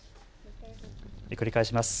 繰り返します。